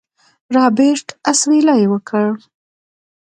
رابرټ اسويلى وکړ.